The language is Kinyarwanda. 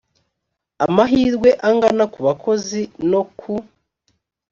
amahirwe angana ku bakozi no ku